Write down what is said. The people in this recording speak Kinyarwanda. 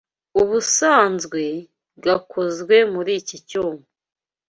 ubusanzwe gakozwe muri iki cyuma